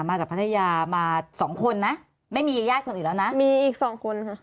มาจากพัทยามาสองคนนะไม่มีญาติคนอื่นแล้วนะมีอีกสองคนค่ะ